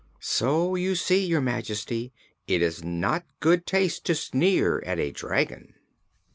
So you see, Your Majesty, it is not in good taste to sneer at a dragon."